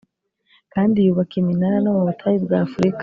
Kandi yubaka iminara no mu butayu bw’ afurika